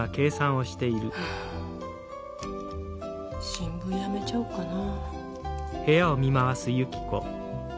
新聞やめちゃおうかな。